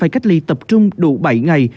cách ly tập trung đủ bảy ngày